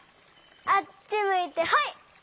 あっちむいてホイ！